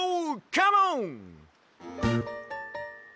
カモン！